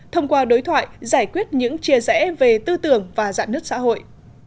thông qua đối thoại giải quyết những chia rẽ về tư tưởng và dạng nước xã hội